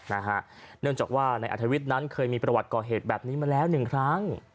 เนื่องจากว่านายอัธวิทย์นั้นเคยมีประวัติก่อเหตุแบบนี้มาแล้วหนึ่งครั้ง